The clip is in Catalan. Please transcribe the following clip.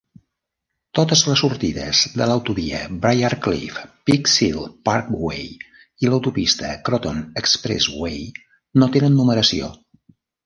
Totes les sortides de l'autovia Briarcliff-Peeksill Parkway i l'autopista Croton Expressway no tenen numeració.